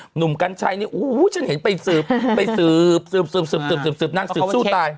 หนุ่มกัญช์นี้เฮ้ยฉันเห็นไปสืบหนังสืบซู่ตาย